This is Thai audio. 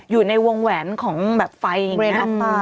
อยู่ในวงแหวนของแบบไฟอย่างนี้